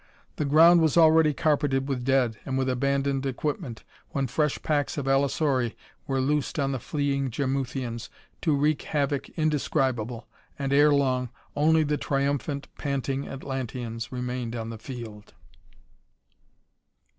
The ground was already carpeted with dead and with abandoned equipment, when fresh packs of allosauri were loosed on the fleeing Jarmuthians to wreak havoc indescribable and, ere long, only the triumphant, panting Atlanteans remained on the field.